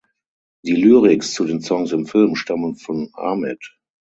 Die Lyrics zu den Songs im Film stammen von Ahmed.